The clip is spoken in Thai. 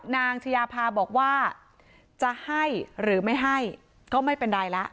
นางชายาภาบอกว่าจะให้หรือไม่ให้ก็ไม่เป็นไรละ